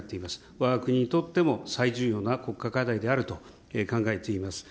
わが国にとっても最重要な国家課題であると考えています。